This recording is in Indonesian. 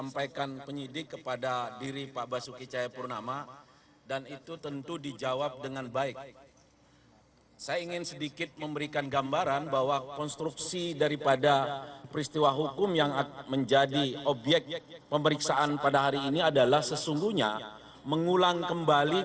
pemeriksaan pada hari ini adalah sesungguhnya mengulang kembali